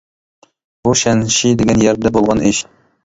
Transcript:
بۇ شەنشى دېگەن يەردە بولغان ئىش.